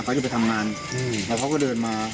เขาจะไปทำงานแล้วเขาก็เดินมา